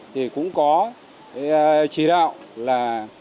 thì cũng có chỉ đạo là